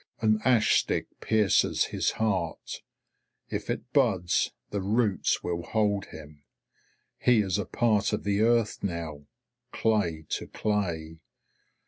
An ash stick pierces his heart, if it buds the roots will hold him. He is a part of the earth now, clay to clay.